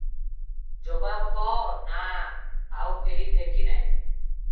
ଜବାବ କଃ -ନା, ଆଉ କେହି ଦେଖି ନାହିଁ ।